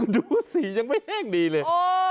ดูสียังไม่แห้งดีเลย